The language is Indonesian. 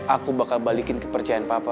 aku bakal balikin kepercayaan papa